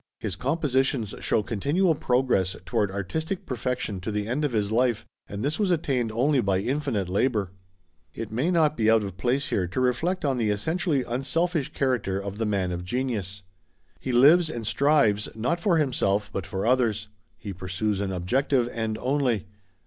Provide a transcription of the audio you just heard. His compositions show continual progress toward artistic perfection to the end of his life, and this was attained only by infinite labor. It may not be out of place here to reflect on the essentially unselfish character of the man of genius. He lives and strives, not for himself, but for others; he pursues an objective end only.